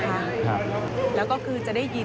พบหน้าลูกแบบเป็นร่างไร้วิญญาณ